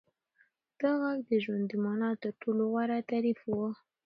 دا غږ د ژوند د مانا تر ټولو غوره تعریف و.